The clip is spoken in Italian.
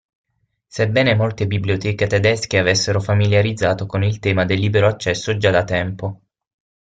Sebbene molte biblioteche tedesche avessero familiarizzato con il tema del libero accesso già da tempo.